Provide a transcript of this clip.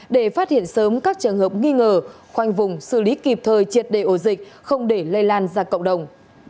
để phát hiện sớm các trường hợp nghi ngờ khoanh vùng xử lý kịp thời triệt đề ổ dịch không để lây lan ra cộng đồng